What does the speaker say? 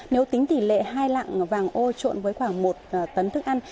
nếu tính tỷ lệ hai lặng vàng ô trộn với khoảng một tấn thức ăn